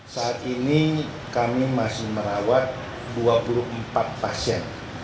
saat ini kami masih merawat dua puluh empat pasien